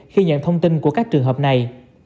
khi nhận thông tin của các trường hợp này